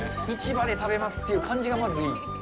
市場で食べますっていう感じがまず、いい。